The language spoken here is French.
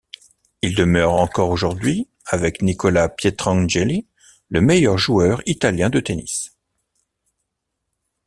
Il demeure encore aujourd'hui, avec Nicola Pietrangeli, le meilleur joueur italien de tennis.